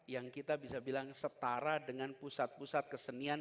yang kita bisa bilang setara dengan pusat pusat kesenian